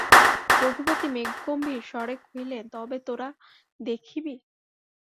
রঘুপতি মেঘগম্ভীর স্বরে কহিলেন, তবে তোরা দেখিবি!